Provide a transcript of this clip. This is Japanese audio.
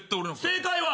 正解は？